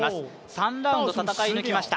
３ラウンド戦い抜きました